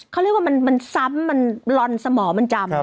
เขาเรียกว่ามันซ้ำมันลอนสมองมันจำ